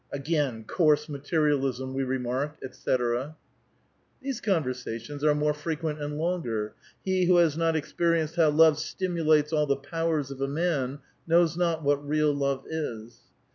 ('' Again eoarMi4naterialism !" we remark, etc.) Th^e conversations are more frequent and longer. who has not experienced how love stimulates all the powers of a man knows not what real love is."